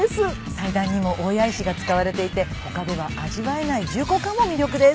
祭壇にも大谷石が使われていて他では味わえない重厚感も魅力です。